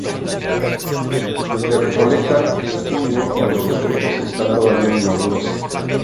Se recolectan en junio cuando los frutos están todavía inmaduros.